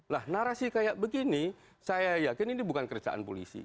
nah narasi kayak begini saya yakin ini bukan kerjaan polisi